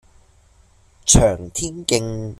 翔天徑